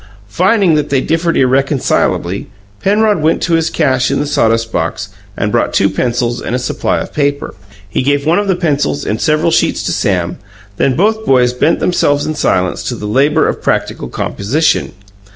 Finding that they differed irreconcilably, Penrod went to his cache in the sawdust box and brought two pencils and a supply of paper. He gave one of the pencils and several sheets to Sam; then both boys bent themselves in silence to the labour of practical composition.